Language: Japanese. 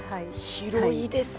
広いですね。